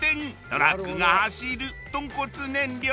トラックが走るとんこつ燃料。